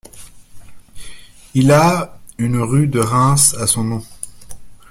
Ila une rue de Reims à son nom.